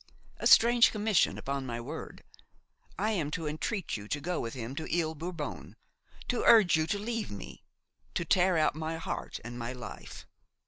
A strange commission, upon my word! I am to entreat you to go with him to Ile Bourbon; to urge you to leave me; to tear out my heart and my life.